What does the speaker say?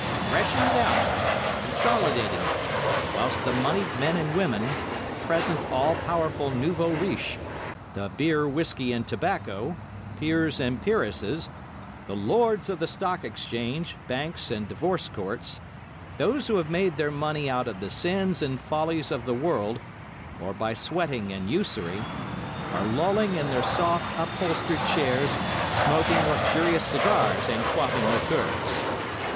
Threshing it out, consolidating it, whilst the monied men and women, the present all powerful nouveau riche—the beer, whiskey and tobacco, peers and peeresses—the lords of the Stock Exchange, Banks and Divorce Courts—those who have made their money out of the sins and follies of the world, or by sweating and usury, are lolling in their soft, upholstered chairs, smoking luxurious cigars and quaffing liqueurs.